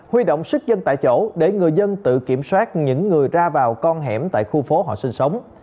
huy động sức dân tại chỗ để người dân tự kiểm soát những người ra vào con hẻm tại khu phố họ sinh sống